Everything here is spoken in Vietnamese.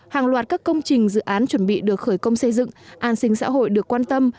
hàng loạt các công trình dự án chuẩn bị được khởi công xây dựng an sinh xã hội được quan tâm